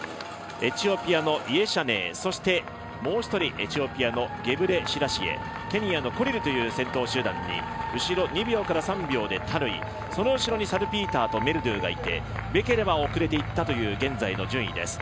エチオピアのイェシャネー、もう一人エチオピアのゲブレシラシエケニアのコリルという先頭集団に後ろ２秒から３秒でタヌイその後ろにサルピーターとメルドゥがいて、ベケレは遅れていったという現在の順位です。